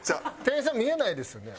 店員さん見えないですよね？